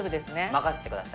任せてください！